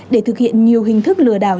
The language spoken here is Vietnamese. để thực hiện nhiều hình thức lừa đảo